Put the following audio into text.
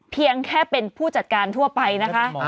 เพียงแค่เป็นผู้จัดการทั่วไปนะคะ